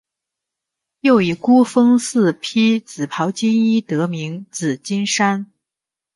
又以孤峰似披紫袍金衣得名紫金山。